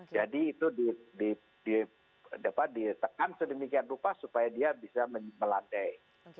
jadi itu dapat ditekan sedemikian rupa supaya dia bisa melandai